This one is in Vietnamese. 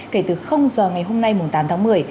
kể từ giờ ngày hôm nay tám tháng một mươi